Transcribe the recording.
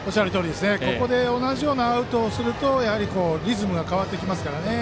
ここで同じようなアウトをするとリズムが変わってきますからね。